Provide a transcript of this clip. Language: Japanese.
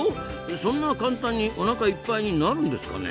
そんな簡単におなかいっぱいになるんですかね？